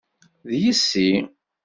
D yessi!